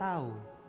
kalau saya tahu